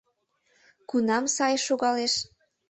Кунам сай шогалеш?